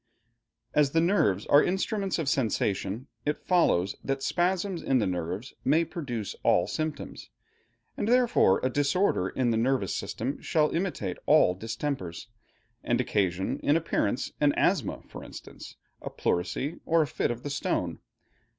As the nerves are instruments of sensation, it follows that spasms in the nerves may produce all symptoms, and therefore a disorder in the nervous system shall imitate all distempers, and occasion, in appearance, an asthma for instance, a pleurisy, or a fit of the stone.